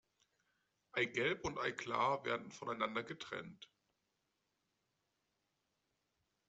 Eigelb und Eiklar werden voneinander getrennt.